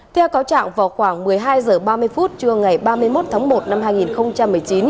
theo cáo trạng vào khoảng một mươi hai h ba mươi phút trưa ngày ba mươi một tháng một năm hai nghìn một mươi chín